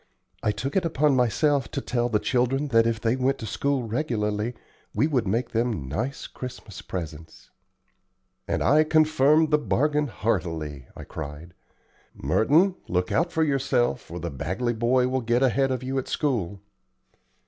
I took it upon myself to tell the children that if they went to school regularly we would make them nice Christmas presents." "And I confirm the bargain heartily," I cried. "Merton, look out for yourself, or the Bagley boy will get ahead of you at school."